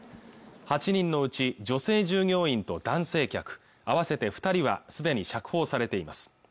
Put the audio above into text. ８人のうち女性従業員と男性客合わせて二人はすでに釈放されています